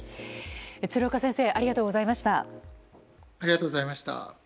鶴岡先生ありがとうございました。